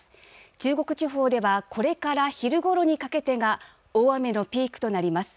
中国地方では、これから、昼頃にかけてが大雨のピークとなります。